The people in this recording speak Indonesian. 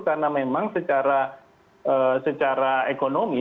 karena memang secara ekonomi